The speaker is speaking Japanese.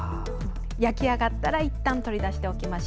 焼き上がったらいったん取り出しておきます。